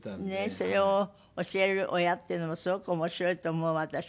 それを教える親っていうのもすごく面白いと思うわ私。